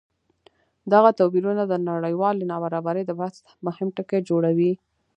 دغه توپیرونه د نړیوالې نابرابرۍ د بحث مهم ټکی جوړوي.